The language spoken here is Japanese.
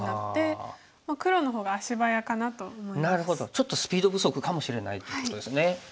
ちょっとスピード不足かもしれないということですね。